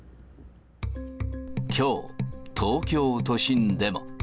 きょう、東京都心でも。